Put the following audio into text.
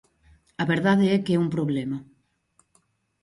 A verdade é que é un problema.